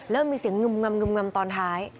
เริ่มมีเสียงเงิมตอนท้าย